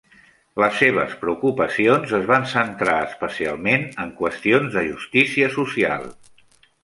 Les seves preocupacions es van centrar especialment en qüestions de justícia social.